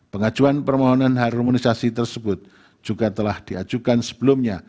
pengajuan permohonan harmonisasi tersebut juga telah diajukan sebelumnya